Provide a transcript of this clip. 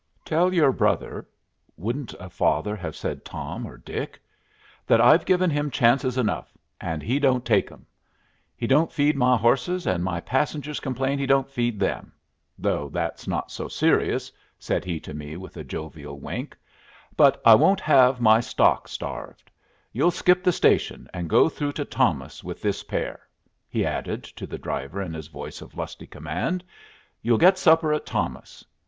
"Tell your brother" (wouldn't a father have said Tom or Dick?) "that I've given him chances enough and he don't take 'em. He don't feed my horses, and my passengers complain he don't feed them though that's not so serious!" said he to me, with a jovial wink. "But I won't have my stock starved. You'll skip the station and go through to Thomas with this pair," he added to the driver in his voice of lusty command. "You'll get supper at Thomas.